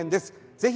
ぜひ。